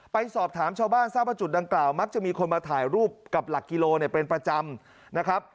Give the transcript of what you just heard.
ไปสอบถามชาวบ้านทราบว่าจุดดังกล่าวมักจะมีคนมาถ่ายรูปกับหลักกิโลเป็นประจำนะครับ